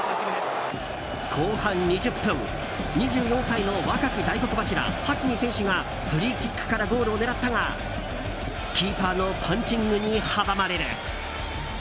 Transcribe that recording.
後半２０分２４歳の若き大黒柱ハキミ選手がフリーキックからゴールを狙ったがキーパーのパンチングに阻まれる。